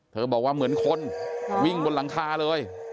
บอกว่าเหมือนคนวิ่งบนหลังคาเลย